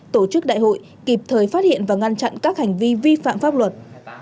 tổ chức đại hội kịp thời phát hiện và ngăn chặn các hành vi vi phạm pháp luật